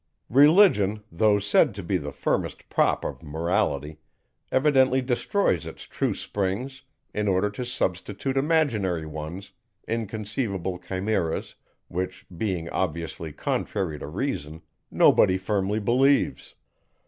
Religion, though said to be the firmest prop of Morality, evidently destroys its true springs, in order to substitute imaginary ones, inconceivable chimeras, which, being obviously contrary to reason, nobody firmly believes.